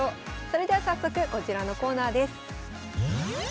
それでは早速こちらのコーナーです。